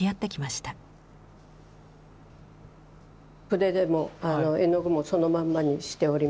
筆でも絵の具もそのまんまにしておりまして。